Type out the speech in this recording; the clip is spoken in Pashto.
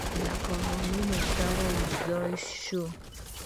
له کاروان سره یوځای شو.